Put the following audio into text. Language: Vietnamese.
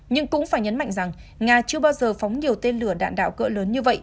nhưng cũng phải nhấn mạnh rằng nga chưa bao giờ phóng nhiều tên lửa đạn đạo cỡ lớn như vậy